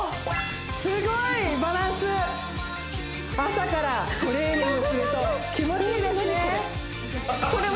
すごいバランス朝からトレーニングすると気持ちいいですね